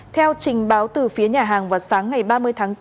theo trình báo từ phía nhà hàng vào sáng ngày ba mươi tháng bốn